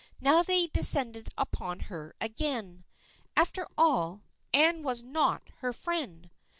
Now they descended upon her again. After all, Anne was not her friend